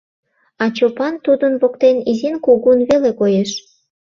А Чопан тудын воктен изин-кугун веле коеш.